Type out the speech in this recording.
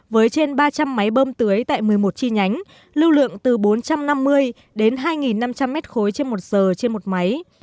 với trên ba trăm linh máy bơm tưới tại một mươi một chi nhánh lưu lượng từ bốn trăm năm mươi đến hai năm trăm linh mét khối trên một giờ trên một máy